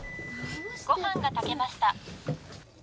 ご飯が炊けました。